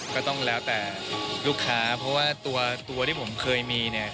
ก็ต้องแล้วแต่ลูกค้าเพราะว่าตัวที่ผมเคยมี